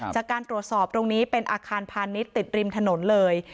จากการตรวจสอบตรงนี้เป็นอาคารพาณิชย์ติดริมถนนเลย